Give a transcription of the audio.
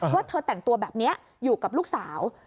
ว่าเธอแต่งตัวแบบนี้อยู่กับลูกสาว